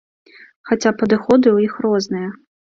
Хаця падыходы ў іх розныя.